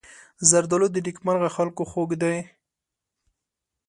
زردالو د نېکمرغه خلکو خوږ دی.